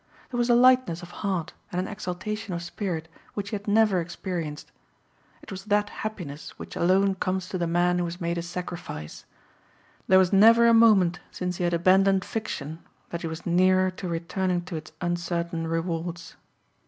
There was a lightness of heart and an exaltation of spirit which he had never experienced. It was that happiness which alone comes to the man who has made a sacrifice. There was never a moment since he had abandoned fiction that he was nearer to returning to its uncertain rewards.